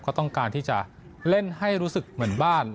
ก็ต้องการที่จะเล่นให้รู้สึกเหมือนบ้าน